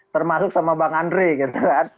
termasuk sama bang andre gitu kan